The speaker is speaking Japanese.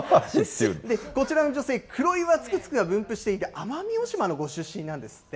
こちらの女性、クロイワツクツクが分布していた奄美大島のご出身なんですって。